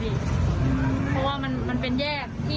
เพราะว่ามันเป็นแยกแรกตรงรายการ